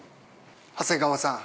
長谷川さん